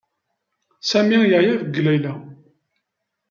Sami yeɛya deg Layla.